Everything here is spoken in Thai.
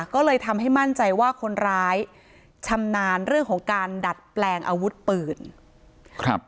ก็เลยทำให้มั่นใจว่าคนร้ายชำนาญเรื่องของการดัดแปลงอาวุธปืนครับ